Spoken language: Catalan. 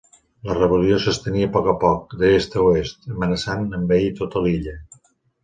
La rebel·lió s'estenia a poc a poc d'Est a Oest, amenaçant envair tota l'illa.